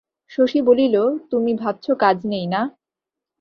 শশী বলিল, তুমি ভাবছ কাজ নেই, না?